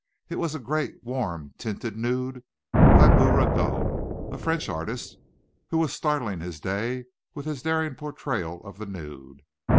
It was a great, warm tinted nude by Bouguereau, a French artist who was startling his day with his daring portrayal of the nude.